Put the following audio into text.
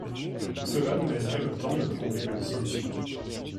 Cela nous laisserait le temps de trouver une solution